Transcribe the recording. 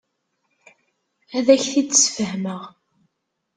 Ad ak-t-id-sfehmeɣ.